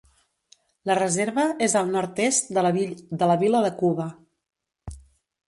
La reserva és al nord-est de la vila de Cuba.